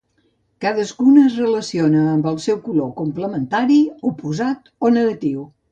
Cadascuna es relaciona amb el seu color complementari oposat o negatiu.